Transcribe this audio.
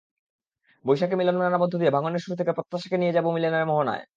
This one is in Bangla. বৈশাখী মিলনমেলার মধ্য দিয়ে ভাঙনের সুর থেকে প্রত্যাশাকে নিয়ে যাব মিলনের মোহনায়।